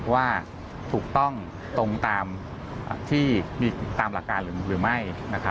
ว่าถูกต้องตรงตามที่มีตามหลักการหรือไม่